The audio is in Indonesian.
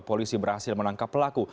polisi berhasil menangkap pelaku